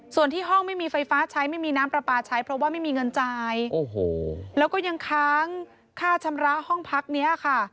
ส่วนที่ห้องไม่มีไฟฟ้าใช้ไม่มีน้ำปลาปลาใช้